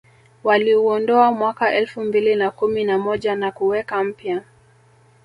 Waliuondoa mwaka elfu mbili na kumi na moja na kuweka mpya